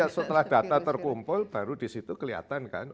ya setelah data terkumpul baru disitu kelihatan kan